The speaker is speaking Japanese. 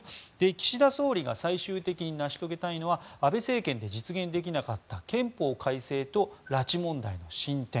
岸田総理が最終的に成し遂げたいのは安倍政権で実現できなかった憲法改正と拉致問題の進展。